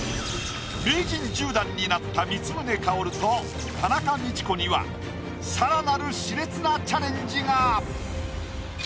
名人１０段になった光宗薫と田中道子には更なる熾烈なチャレンジが。